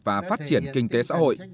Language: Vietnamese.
và phát triển kinh tế xã hội